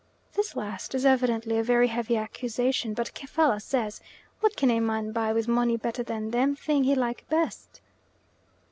This last is evidently a very heavy accusation, but Kefalla says, "What can a man buy with money better than them thing he like best?"